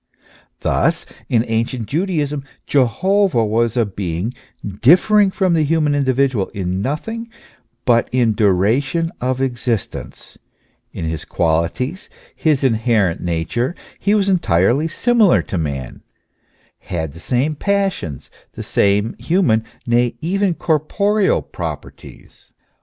Thus in ancient Judaism, Jehovah was a being differing from the human individual in nothing but in duration of existence; in his qualities, his inherent nature, he was entirely similar to man, had the same passions, the same human, nay, even corporeal properties.